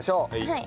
はい。